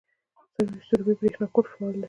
سروبي بریښنا کوټ فعال دی؟